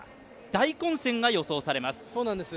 大混戦が予想されます。